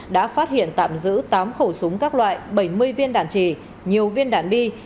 đã phát hiện tạm giữ tám khẩu súng các loại bảy mươi viên đạn trì nhiều viên đạn bi